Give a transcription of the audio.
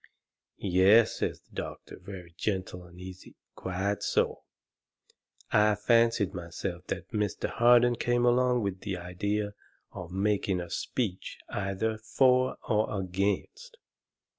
"Yes," says the doctor, very gentle and easy. "Quite so! I fancied myself that Mr. Harden came along with the idea of making a speech either for or against."